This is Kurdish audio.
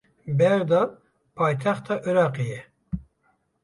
Bexda paytexta Iraqê ye.